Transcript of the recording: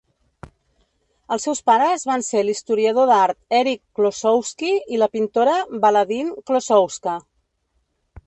Els seus pares van ser l'historiador d'art Erich Klossowski i la pintora Baladine Klossowska.